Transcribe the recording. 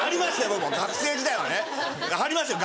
僕も学生時代はねありましたよ